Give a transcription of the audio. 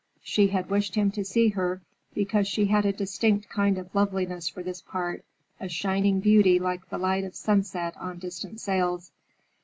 She had wished him to see her because she had a distinct kind of loveliness for this part, a shining beauty like the light of sunset on distant sails.